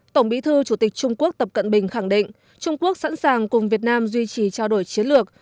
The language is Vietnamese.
tổng bí thư chủ tịch trung quốc tập cận bình khẳng định trung quốc sẵn sàng cùng việt nam duy trì trao đổi chiến lược